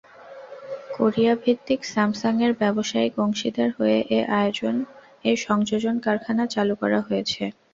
কোরিয়াভিত্তিক স্যামসাংয়ের ব্যবসায়িক অংশীদার হয়ে এ সংযোজন কারখানা চালু করা হয়েছে।